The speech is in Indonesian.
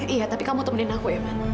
iya tapi kamu temenin aku ya mbak